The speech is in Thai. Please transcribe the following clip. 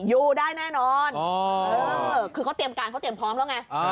อยู่ได้แน่นอนคือเขาเตรียมการเขาเตรียมพร้อมแล้วไง